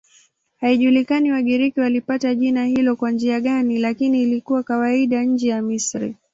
Haijulikani Wagiriki walipata jina hilo kwa njia gani, lakini lilikuwa kawaida nje ya Misri.